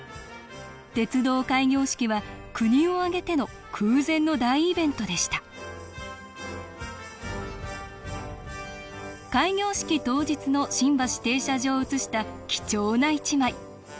鉄道開業式は国を挙げての空前の大イベントでした開業式当日の新橋停車場を写した貴重な１枚。